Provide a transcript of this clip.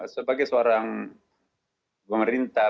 sebagai seorang pemerintah